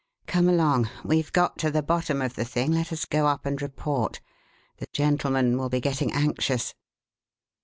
Come along we've got to the bottom of the thing, let us go up and 'report.' The gentlemen will be getting anxious."